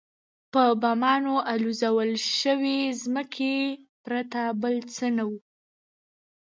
په بمانو الوزول شوې ځمکې پرته بل څه نه وو.